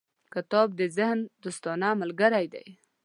• کتاب د ذهن دوستانه ملګری دی.